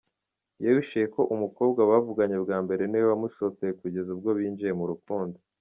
Yahishuye ko umukobwa bavuganye bwa mbere ni we wamushotoye kugeza ubwo binjiye mu rukundo.